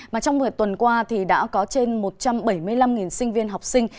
mà trong một mươi tuần qua thì đã có trên một trăm bảy mươi năm sinh viên học sinh